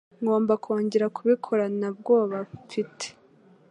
Ngomba kongera kubikora na bwoba mfite.